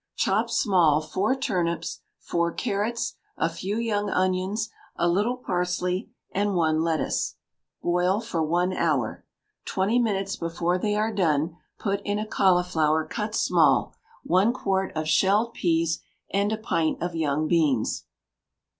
Chop small, four turnips, four carrots, a few young onions, a little parsley, and one lettuce; boil for one hour. Twenty minutes before they are done, put in a cauliflower cut small, one quart of shelled peas, and a pint of young beans.